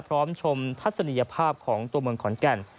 ชมทัศนียภาพของตัวเมืองขอนแก่น